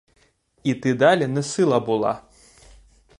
Іти далі несила була.